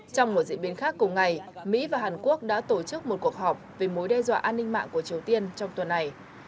trong một diễn biến khác cùng ngày mỹ và hàn quốc đã tổ chức một cuộc họp về mối đe dọa an ninh mạng của triều tiên trong tuần này